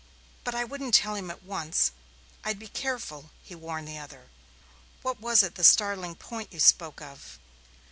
But I wouldn't tell him at once I'd be careful," he warned the other. "What was it the startling point you spoke of?"